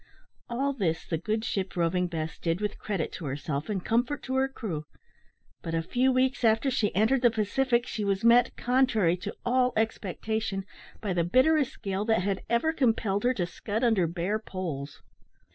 All this the good ship Roving Bess did with credit to herself and comfort to her crew; but a few weeks after she entered the Pacific, she was met, contrary to all expectation, by the bitterest gale that had ever compelled her to scud under bare poles.